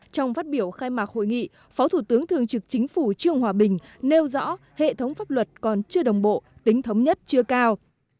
trong phát biểu khai mạc hội nghị phó thủ tướng thường trực chính phủ trương hòa bình nêu rõ hệ thống pháp luật còn chưa đồng bộ tính thống nhất chưa cao